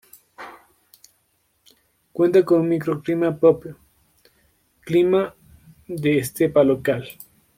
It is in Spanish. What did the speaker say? Cuenta con un microclima propio, clima de estepa local.